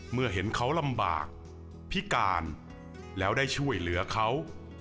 เมื่อเห็นเขาลำบากพิการแล้วได้ช่วยเหลือเขา